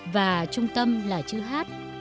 và trung tâm là chữ hát